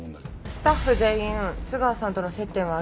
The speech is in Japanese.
スタッフ全員津川さんとの接点はありませんでした。